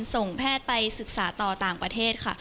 ส่งแพทย์ไปศึกษาต่อต่างประเทศค่ะ